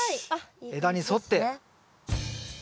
枝に沿って。